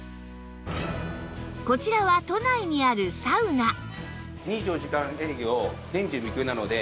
こちらは都内にあるサウナ